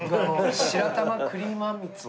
白玉クリームあんみつを。